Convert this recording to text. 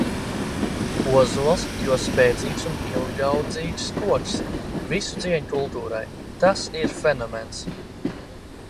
Ozols, jo spēcīgs un ilgaudzīgs koks. Visu cieņu kultūrai. Tas ir fenomens.